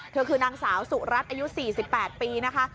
เธอคือนางสาวสุรัตน์อายุ๔๘ปีนะคะ